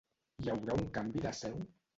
Hi haurà un canvi de seu?